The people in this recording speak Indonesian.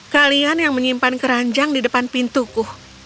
kalian yang menyimpan keranjang di depan pintuku